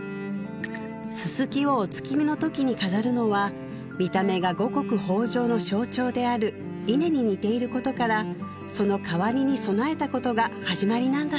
ススキをお月見のときに飾るのは見た目が五穀豊穣の象徴である稲に似ていることからその代わりに供えたことがはじまりなんだ